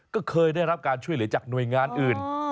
ก็เคยได้รับการช่วยเหลือจากหน่วยงานอื่น